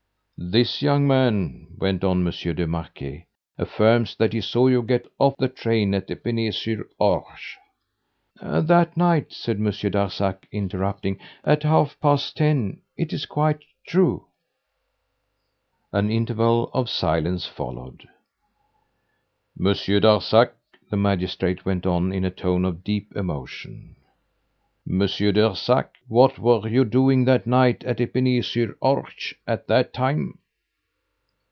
"This young man," went on Monsieur de Marquet, "affirms that he saw you get off the train at Epinay sur Orge " "That night," said Monsieur Darzac, interrupting, "at half past ten it is quite true." An interval of silence followed. "Monsieur Darzac," the magistrate went on in a tone of deep emotion, "Monsieur Darzac, what were you doing that night, at Epinay sur Orge at that time?"